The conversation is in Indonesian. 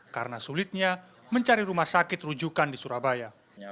karena sulitnya mencari rumah sakit rujukan di surabaya